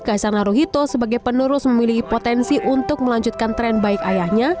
kaisan naruhito sebagai penerus memiliki potensi untuk melanjutkan tren baik ayahnya